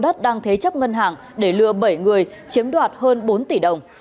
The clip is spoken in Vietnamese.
đất đang thế chấp ngân hàng để lừa bảy người chiếm đoạt hơn bốn tỷ đồng